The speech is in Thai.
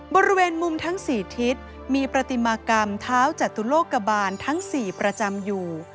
บริเวณมุมทั้ง๔ทิศมีประติมากรรมเท้าจตุโลกบาลทั้ง๔ประจำอยู่